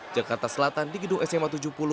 jakarta selatan di gedung sma tujuh puluh